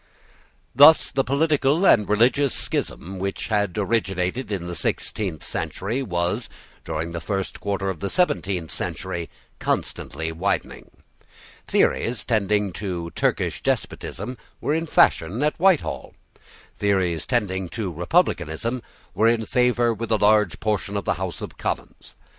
Thus the political and religious schism which had originated in the sixteenth century was, during the first quarter of the seventeenth century, constantly widening. Theories tending to Turkish despotism were in fashion at Whitehall. Theories tending to republicanism were in favour with a large portion of the House of Commons.